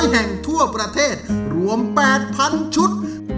แห่งทั่วประเทศรวม๘๐๐๐ชุด